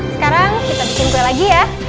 sekarang kita bikin kue lagi ya